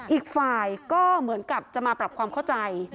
อีกฝ่ายก็เหมือนกับจะมาปรับความเข้าใจ